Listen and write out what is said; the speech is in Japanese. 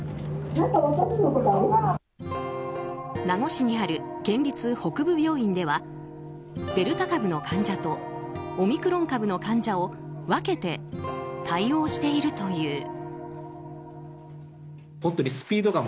名護市にある県立北部病院ではデルタ株の患者とオミクロン株の患者を分けて対応しているという。